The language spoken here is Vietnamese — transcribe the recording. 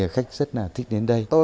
khách rất là thích đến đây